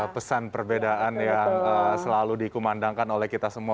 pesan perbedaan yang selalu dikumandangkan oleh kita semua